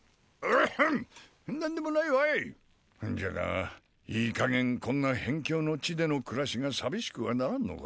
何でもないわいじゃがいい加減こんな辺境の地での暮らしが寂しくはならんのか？